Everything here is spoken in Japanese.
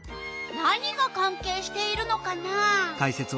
何がかんけいしているのかな？